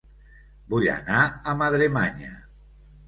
Vull anar a Madremanya